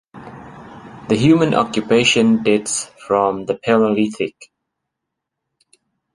The human occupation dates from the Paleolithic.